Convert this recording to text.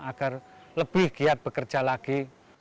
agar lebih giat bekerja lagi